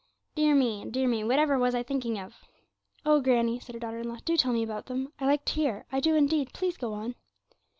Dear me, dear me, whatever was I thinking of?' 'Oh, granny,' said her daughter in law, 'do tell me about them; I like to hear I do indeed; please go on.'